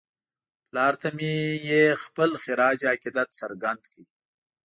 پلار ته مې یې خپل خراج عقیدت څرګند کړ.